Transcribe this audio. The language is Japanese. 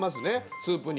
スープに。